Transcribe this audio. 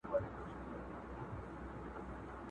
o د پردي زوى نه خپله کر مېږنه لور لا ښه ده٫